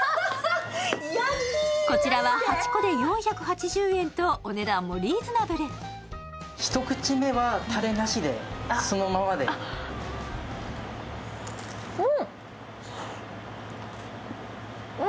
こちらは８個で４８０円とお値段もリーズナブルそのままでうん！